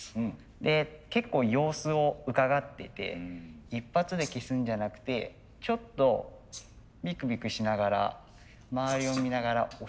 で結構様子をうかがっていて一発で消すんじゃなくてちょっとびくびくしながら周りを見ながら押します。